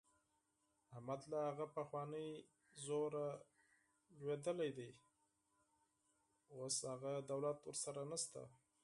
احمد له هغه پخواني زوره لوېدلی دی. اوس هغه دولت ورسره نشته.